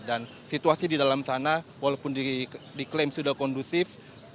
dan situasi di dalam sana walaupun diklaim sudah kondusif